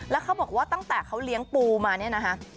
แล้วเขาบอกว่าตั้งแต่เขาเลี้ยงปูมาเนี่ยนะคะ